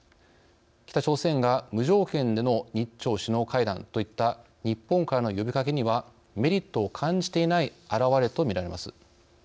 北朝鮮が無条件での日朝首脳会談といった日本からの呼びかけにはメリットを感じていない表れとみられます。